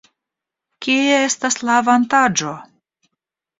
Kie estas la avantaĝo?